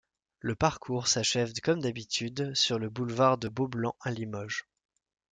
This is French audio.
Le parcours s'achève comme d'habitude sur le boulevard de Beaublanc à Limoges.